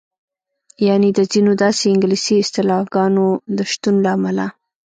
یعنې د ځینو داسې انګلیسي اصطلاحګانو د شتون له امله.